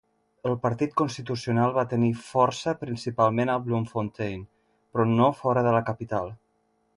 El Partit Constitucional va tenir força principalment a Bloemfontein, però no fora de la capital.